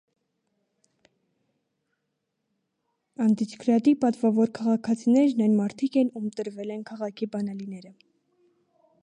Անդրիչգրադի պատվավոր քաղաքացիներն այն մարդիկ են, ում տրվել են քաղաքի բանալիները։